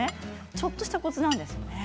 ちょっとしたコツなんですね。